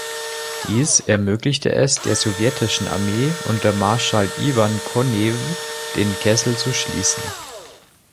Dies ermöglichte es der sowjetischen Armee unter Marschall Iwan Konew, den Kessel zu schließen.